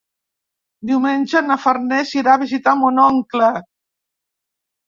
Diumenge na Farners irà a visitar mon oncle.